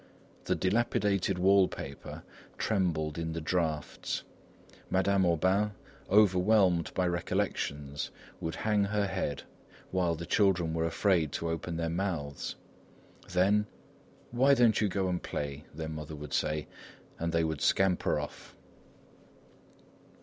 The dilapidated wall paper trembled in the drafts. Madame Aubain, overwhelmed by recollections, would hang her head, while the children were afraid to open their mouths. Then, "Why don't you go and play?" their mother would say; and they would scamper off.